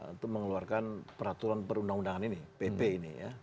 itu mengeluarkan peraturan perundang undangan ini pp ini ya